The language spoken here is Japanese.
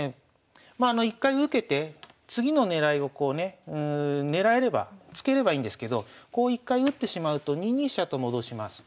まあ一回受けて次の狙いをこうね狙えれば突ければいいんですけどこう一回打ってしまうと２二飛車と戻します。